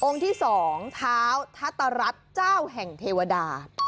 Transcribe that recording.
องค์ที่สองท้าวทัตรรัสเจ้าแห่งเทวดา